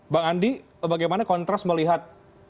bang andi bagaimana kontras melihat